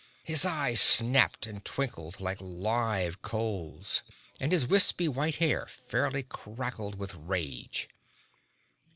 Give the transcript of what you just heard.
His eyes snapped and twinkled like live coals and his wispy white hair fairly crackled with rage.